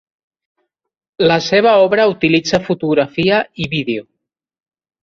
La seva obra utilitza fotografia i vídeo.